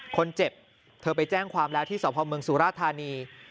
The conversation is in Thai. คนเจ็บเธอไปแจ้งความแล้วที่สพเมืองสุราธานี